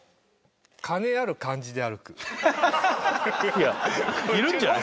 いやいるんじゃない？